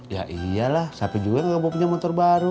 ya iyalah siapa juga gak mau punya motor baru